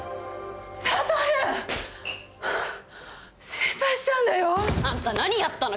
心配したんだよ。あんた何やったの？